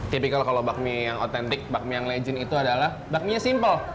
tipikal kalau bakmi yang otentik bakmi yang legend itu adalah bakmi yang simpel